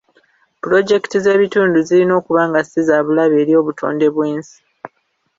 Pulojekiti z'ebitundu zirina okuba nga si za bulabe eri obutonde bw'ensi.